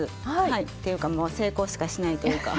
はいていうかもう成功しかしないというか。